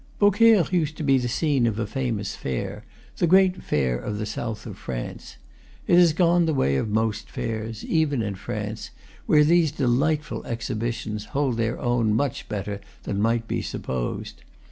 Beaucaire used to be the scene of a famous fair, the great fair of the south of France. It has gone the way of most fairs, even in France, where these delight ful exhibitions hold their own much better than might be supposed.